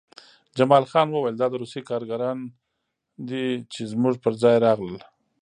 جمال خان وویل دا روسي کارګران دي چې زموږ پرځای راغلل